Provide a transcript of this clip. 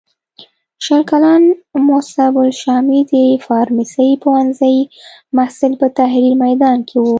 شل کلن مصعب الشامي د فارمسۍ پوهنځي محصل په تحریر میدان کې و.